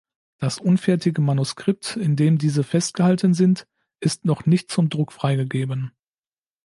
Das unfertige Manuskript, in dem diese festgehalten sind, ist noch nicht zum Druck freigegeben.